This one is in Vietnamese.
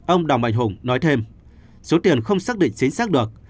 ông đào mạnh hùng nói thêm số tiền không xác định chính xác được